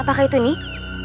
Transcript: apakah itu nih